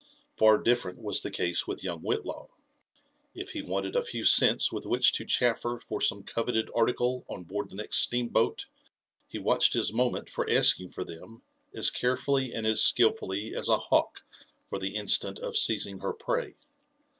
Far different was the case with young Whitlaw. If he wanted a few cents with which to chaffer for some coveted article on board the next steam boat, he watched his moment for asking for them as carefully and as skilfully as a hawk for the instant of seizing her prey.